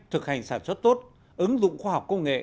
thực hành sản xuất tốt ứng dụng khoa học công nghệ